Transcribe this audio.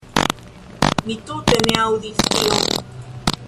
Mi tute ne aŭdis tion."